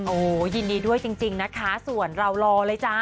โอ้โหยินดีด้วยจริงนะคะส่วนเรารอเลยจ้า